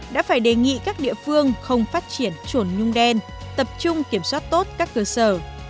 đã phải đề nghị các địa phương không phát triển trồn nhung đen tập trung kiểm soát tốt các cơ sở